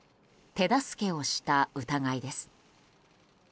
手助けをした疑いです。